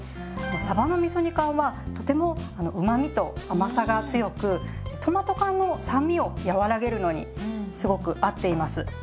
さばのみそ煮缶はとてもあのうまみと甘さが強くトマト缶の酸味を和らげるのにすごく合っています。